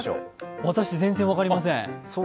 私、全然分かりません。